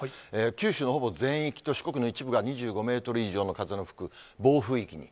九州のほぼ全域と、四国の一部が２５メートル以上の風の吹く暴風域に。